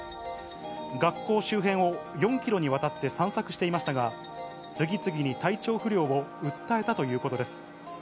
学校周辺を４キロにわたって散策していましたが、次々に体調不良を訴えたということです。